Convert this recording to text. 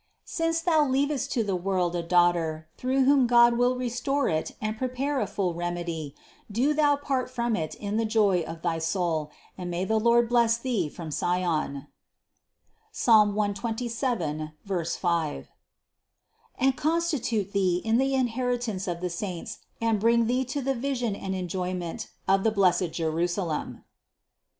Since thou leavest to the world a Daughter, through whom God will restore it and pre pare a full remedy, do thou part from it in the joy of thy soul, and may the Lord bless thee from Sion (Psalm 127, 5) and constitute thee in the inheritance of the saints and bring thee to the vision and enjoyment of the blessed Jerusalem."